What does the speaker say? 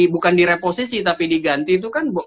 bukan direposisi tapi diganti itu kan